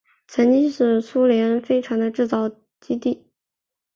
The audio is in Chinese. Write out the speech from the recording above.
曾经是苏联飞船的制造基地。